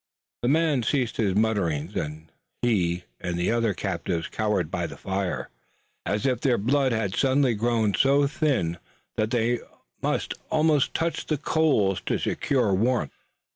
The man ceased his mutterings and he and the other captives cowered by the fire, as if their blood had suddenly grown so thin that they must almost touch the coals to secure warmth.